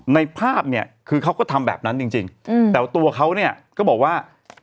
ภาพเนี่ยคือเขาก็ทำแบบนั้นจริงแต่ว่าตัวเขาเนี่ยก็บอกว่า